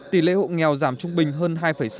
tỷ lệ hộ nghèo giảm trung bình hơn hai sáu mươi